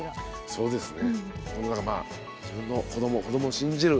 そうですね